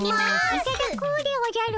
いただくでおじゃる。